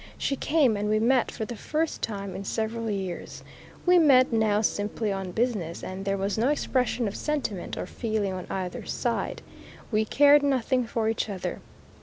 She came, and we met for the first time in several years. We met now simply on business, and there was no expression of sentiment or feeling on either side. We cared nothing for each other.